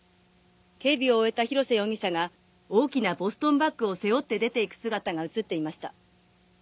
警備を終えた広瀬容疑者が大きなボストンバッグを背負って出て行く姿が写っていました。